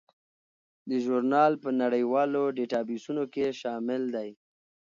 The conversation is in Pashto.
دا ژورنال په نړیوالو ډیټابیسونو کې شامل دی.